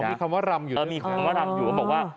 มีคำว่ารำอยู่เลยวะครับอื้อมีคำว่ารำว่าบอกว่า